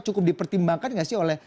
cukup dipertimbangkan nggak sih oleh